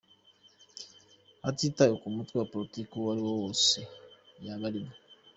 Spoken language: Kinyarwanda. hatitawe ku mutwe wa politiki uwo ari wo wose yaba arimo.